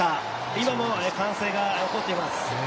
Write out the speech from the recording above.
今も歓声が起こっています。